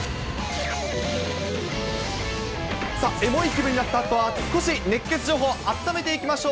エモい気分になったあとは、少し熱ケツ情報、あっためていきましょう。